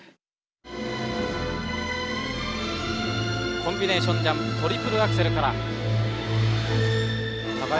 コンビネーションジャンプトリプルアクセルから高い！